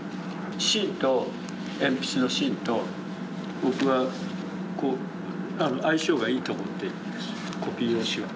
芯と鉛筆の芯と僕はこう相性がいいと思っているんですコピー用紙は。